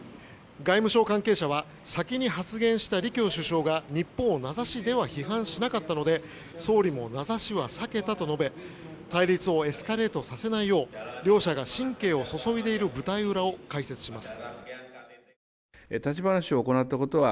外務省関係者は先に発言した李強首相が日本を名指しでは批判しなかったので総理も名指しは避けたと述べ対立をエスカレートさせないよう両者が神経を注いでいる舞台裏を解説します。